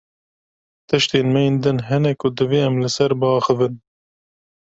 Tiştên me yên din hene ku divê em li ser biaxivin.